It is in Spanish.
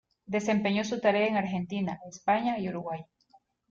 Desempeñó su tarea en Argentina, España y Uruguay.